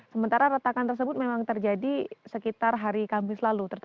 sementara retakan tersebut memang terjadi sekitar hari kamis lalu